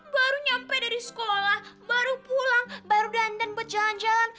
baru nyampe dari sekolah baru pulang baru dandan berjalan jalan